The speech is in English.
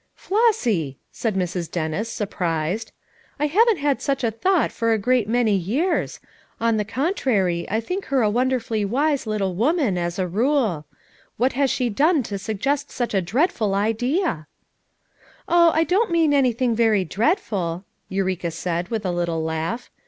"Flossy 1" said Mrs. Dennis, surprised. "I 276 FOUE MOTHERS AT CHAUTAUQUA haven't Lad such a thought for a great many years; on the contrary I think her a wonder fully wise little woman, as a rule. What has she done to suggest such a dreadful idea?" "Oh, I don't mean anything very dreadful," Eureka said with a little laugh.